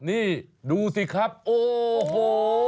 นี่ดูสิครับโอ้โห